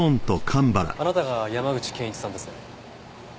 あなたが山口健一さんですね？